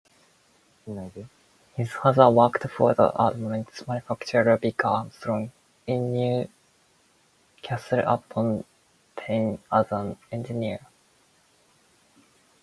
His father worked for the armaments manufacturer Vickers Armstrong in Newcastle-upon-Tyne as an engineer.